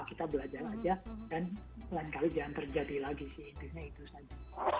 kita belajar aja dan lain kali jangan terjadi lagi sih intinya itu saja